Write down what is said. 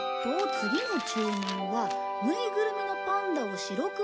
次の注文は「ぬいぐるみのパンダをシロクマに」。